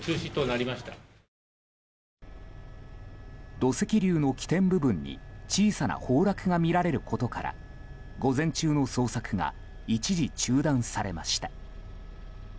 土石流の起点部分に小さな崩落がみられることから午前中の捜索が一時中断されました。